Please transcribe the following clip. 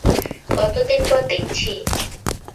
কতদিন পর দেখছি!